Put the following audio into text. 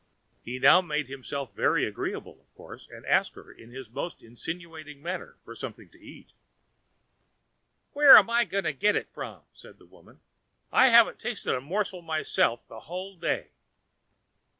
He now made himself very agreeable, of course, and asked her in his most insinuating manner for something to eat. "Where am I to get it from?" said the woman. "I haven't tasted a morsel myself the whole day."